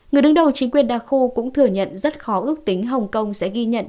người đứng đầu chính quyền đặc khu cũng thừa nhận rất khó ước tính hồng kông sẽ ghi nhận